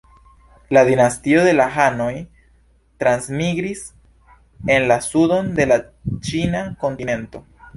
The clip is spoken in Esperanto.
La dinastio de la hanoj transmigris en la sudon de la ĉina kontinento.